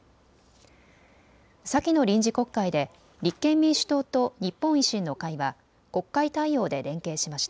先の臨時国会で、立憲民主党と日本維新の会は国会対応で連携しました。